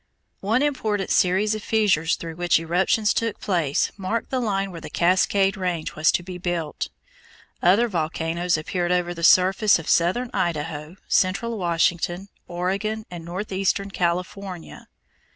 One important series of fissures through which eruptions took place marked the line where the Cascade Range was to be built. Other volcanoes appeared over the surface of southern Idaho, central Washington, Oregon, and northeastern California.